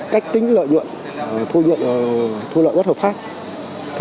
cách tính lợi nhuận thu nhuận thu lợi bất hợp pháp